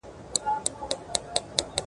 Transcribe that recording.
زه به سبا د سبا لپاره د درسونو يادوم.